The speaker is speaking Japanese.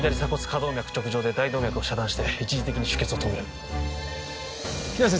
動脈直上で大動脈を遮断して一時的に出血を止める比奈先生